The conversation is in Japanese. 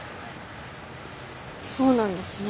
そうなんですね。